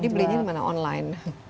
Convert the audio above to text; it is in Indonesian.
jadi belinya dimana online